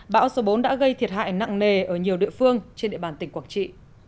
bão số bốn đã gây thiệt hại nặng nề ở nhiều địa phương trên địa bàn tỉnh quảng trị